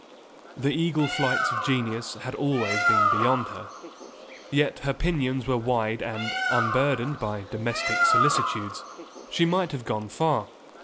The eagle flights of genius had always been beyond her, yet her pinions were wide and, unburdened by domestic solicitudes, she might have gone far.